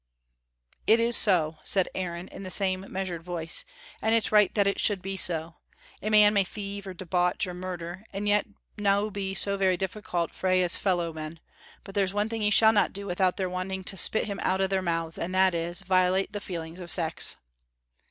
"It is so," said Aaron, in the same measured voice, "and it's right that it should be so. A man may thieve or debauch or murder, and yet no be so very different frae his fellow men, but there's one thing he shall not do without their wanting to spit him out o' their mouths, and that is, violate the feelings of sex."